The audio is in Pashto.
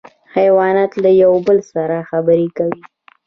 حیوانات له یو بل سره خبرې کوي